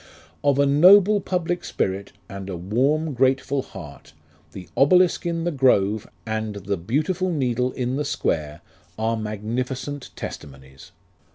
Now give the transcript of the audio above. Of a noble public spirit And A warm grateful heart The obelisk in the grove, And The beautiful needle in the square, Are magnificent testimonies.